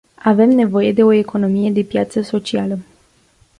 Avem nevoie de o economie de piață socială.